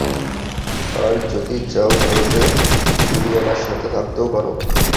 আর যদি চাও তাহলে তুমি আমার সাথে থাকতেও পার।